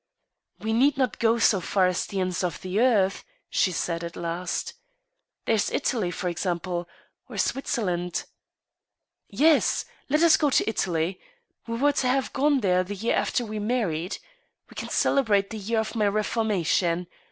" We need not go quite so far as the ends of the earth," she said, at last. " There's Italy, for example, or Switzerland." " Yes ; let us go to Italy. We were to have gone there the year after we were married. We can celebrate the year of my reforma tion.